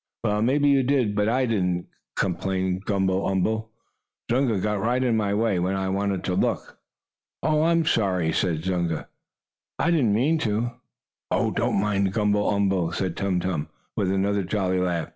"Well, maybe you did, but I didn't," complained Gumble umble. "Zunga got right in my way, when I wanted to look." "Oh, I'm sorry," said Zunga. "I didn't mean to." "Oh, don't mind Gumble umble," said Tum Tum, with another jolly laugh.